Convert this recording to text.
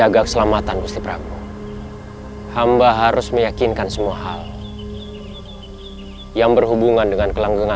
dalam cerita memcat someone kingdom